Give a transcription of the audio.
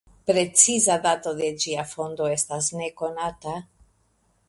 Preciza dato de ĝia fondo estas nekonata.